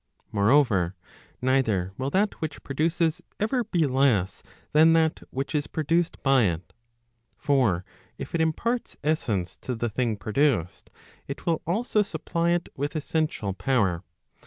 Moreover, neither will that which produces ever be less than that which is produced by it. For if it imparts essence to the thing produced, it will also supply it with essential power.